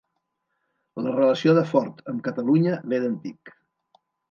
La relació de Ford amb Catalunya ve d'antic.